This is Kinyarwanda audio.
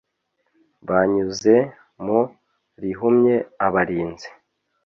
banyuze mu rihumye abarinzi